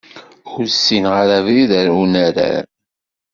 Ur ssineɣ ara abrid ɣer unarar.